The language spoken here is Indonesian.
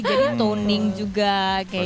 jadi toning juga kayak gitu